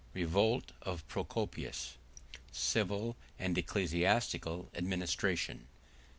— Revolt Of Procopius.—Civil And Ecclesiastical Administration.